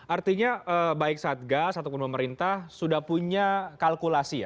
artinya baik satgas atau ketua merintah sudah punya kalkulasi ya